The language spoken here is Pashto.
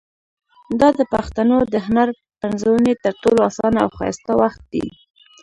دا د پښتنو د هنر پنځونې تر ټولو اسانه او ښایسته وخت دی.